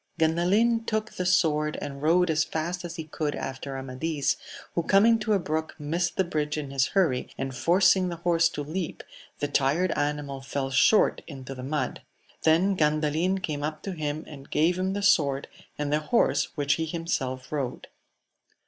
Gandalin took the sword and rode as fast as he could after Amadis, who coming to a brook missed the bridge in his hurry, and forcing the horse to leap, the tired animal fell short into the mud; then Gandalin came up to him and gave him the sword, and the horse which he himself rode.